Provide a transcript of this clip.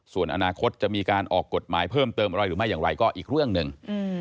ส่วนอนาคตจะมีการออกกฎหมายเพิ่มเติมอะไรหรือไม่อย่างไรก็อีกเรื่องหนึ่ง